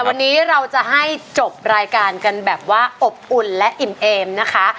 วันนี้เราจะให้จบรายการกันแบบว่าอบอุ่นและอิ่มเอมนะคะ